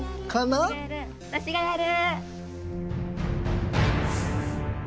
⁉わたしがやる！